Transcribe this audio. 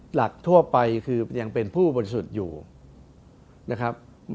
หลักทั่วไปคือยังเป็นผู้บริสุทธิ์อยู่นะครับ